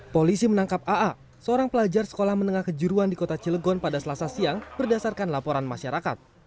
polisi menangkap aa seorang pelajar sekolah menengah kejuruan di kota cilegon pada selasa siang berdasarkan laporan masyarakat